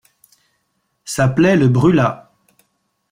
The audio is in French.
Sa plaie le brûla.